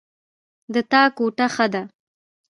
د تا کوټه ښه ده